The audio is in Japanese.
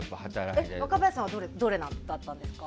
若林さんはどれだったんですか？